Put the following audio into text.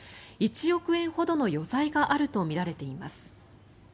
１億円ほどの余罪があるとみられています。